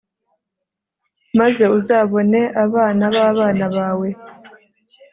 maze uzabone abana b'abana bawe